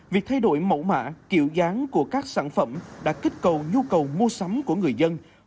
việc thay đổi mẫu mã kiểu dáng của các sản phẩm đã kích cầu nhu cầu mua sắm của người dân